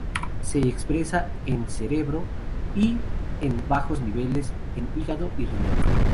Se expresa en cerebro y, en bajos niveles en hígado y riñón.